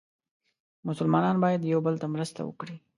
مسلمانان باید یو بل ته مرسته وکړي.